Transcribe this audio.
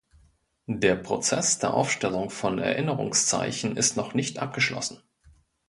Der Prozess der Aufstellung von Erinnerungszeichen ist noch nicht abgeschlossen.